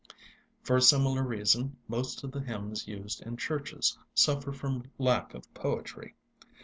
For a similar reason most of the hymns used in churches suffer from lack of poetry.